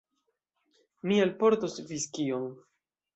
Mi alportos viskion.